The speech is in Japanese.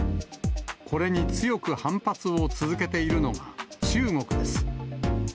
これに強く反発を続けているのが中国です。